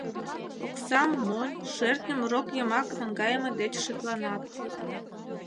Оксам монь, шӧртньым рок йымак наҥгайыме деч шекланат.